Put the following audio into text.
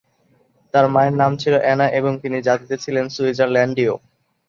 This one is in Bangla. তার মায়ের নাম ছিলো অ্যানা, এবং তিনি জাতিতে ছিলেন সুইজারল্যান্ডীয়।